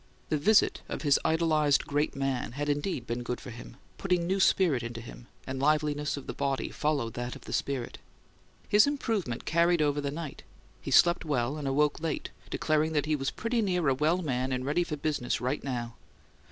The visit of his idolized great man had indeed been good for him, putting new spirit into him; and liveliness of the body followed that of the spirit. His improvement carried over the night: he slept well and awoke late, declaring that he was "pretty near a well man and ready for business right now."